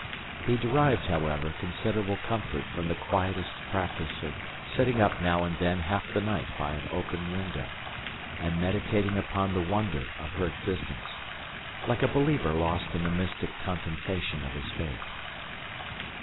He derived, however, considerable comfort from the quietist practice of sitting up now and then half the night by an open window, and meditating upon the wonder of her existence, like a believer lost in the mystic contemplation of his faith.